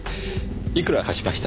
いくら貸しました？